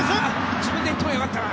自分で行ってもよかったな。